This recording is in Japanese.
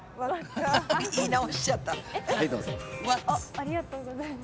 ありがとうございます。